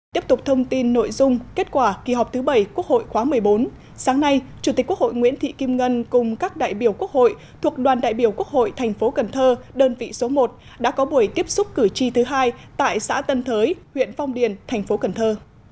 tiếp tục thông tin nội dung kết quả kỳ họp thứ bảy quốc hội khóa một mươi bốn sáng nay chủ tịch quốc hội nguyễn thị kim ngân cùng các đại biểu quốc hội thuộc đoàn đại biểu quốc hội thành phố cần thơ đơn vị số một đã có buổi tiếp xúc cử tri thứ hai tại xã tân thới huyện phong điền thành phố cần thơ